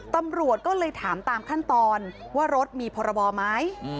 ตำรวจก็เลยถามตามขั้นตอนว่ารถมีพรบไหม